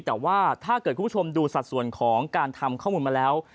แต่ว่าถ้าเกิดคุณผู้ชมดูสัดส่วนของการทำข้อมูลมาแล้ว